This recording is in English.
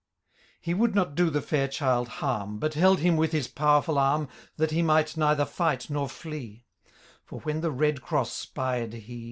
He would not jlo the &ir child harm. But held him with his powerful arm. That he might neither fight nor flee ; For when the Red Cross spied he.